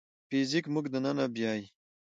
فزیک موږ دننه بیايي.